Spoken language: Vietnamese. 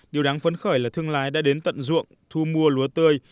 điều đáng phấn khởi là thương lái đã đến tận ruộng thu mua lúa tươi